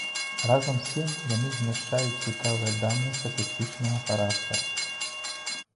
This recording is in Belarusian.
Разам з тым яны змяшчаюць цікавыя даныя статыстычнага характару.